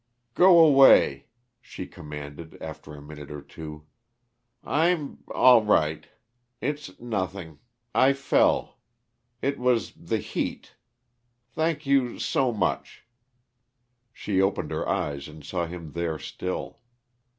"Go away," she commanded, after a minute or two. "I'm all right. It's nothing. I fell. It was the heat. Thank you so much " She opened her eyes and saw him there still.